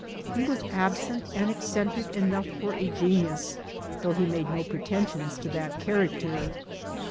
He was absent and eccentric enough for a genius, though he made no pretensions to that character.